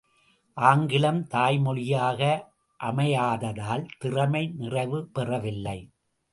ஆங்கிலம் தாய்மொழியாக அமையாததால் திறமை நிறைவுபெறவில்லை!